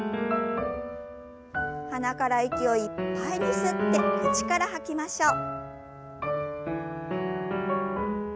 鼻から息をいっぱいに吸って口から吐きましょう。